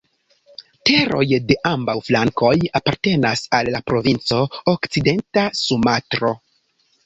Teroj de ambaŭ flankoj apartenas al la provinco Okcidenta Sumatro.